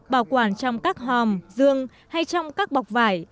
bảo quản trong các hòm dương hay trong các bọc vải